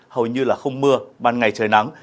hầu như là không mưa ban ngày trời nắng